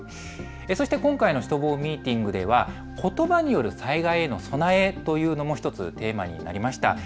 そして今回のシュトボーＭｅｅｔｉｎｇではことばによる災害への備えというのも１つ、テーマになりました。